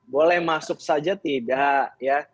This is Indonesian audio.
boleh masuk saja tidak ya